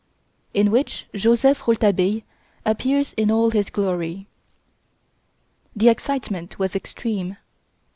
In Which Joseph Rouletabille Appears in All His Glory The excitement was extreme.